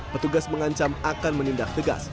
petugas mengancam akan menindak tegas